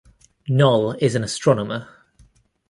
Noll is an astronomer.